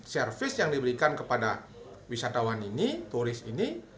servis yang diberikan kepada wisatawan ini turis ini